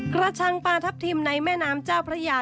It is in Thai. ชังปลาทับทิมในแม่น้ำเจ้าพระยา